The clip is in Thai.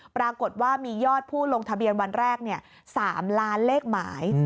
ปรากฏว่ามียอดผู้ลงทะเบียนวันแรก๓ล้านเลขหมาย